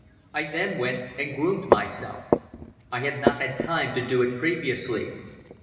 I then went and groomed myself. I had not had time to do it previously.